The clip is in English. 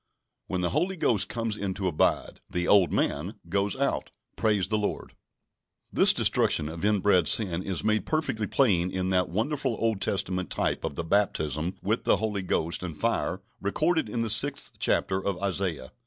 When the Holy Ghost comes in to abide, "the old man" goes out. Praise the Lord! This destruction of inbred sin is made perfectly plain in that wonderful Old Testament type of the baptism with the Holy Ghost and fire recorded in the sixth chapter of Isaiah.